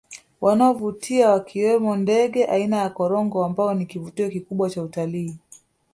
Wanaovutia wakiwemo ndege aina ya Korongo ambao ni kivutio kikubwa cha utalii